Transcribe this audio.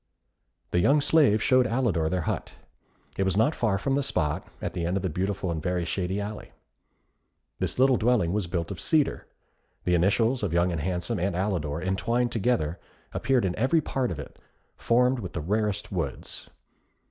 The young slaves showed Alidor their hut. It was not far from the spot, at the end of a beautiful and very shady alley. This little dwelling was built of cedar. The initials of Young and Handsome and Alidor entwined together, appeared in every part of it, formed with the rarest woods.